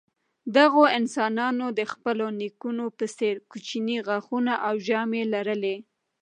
دغو انسانانو د خپلو نیکونو په څېر کوچني غاښونه او ژامې لرلې.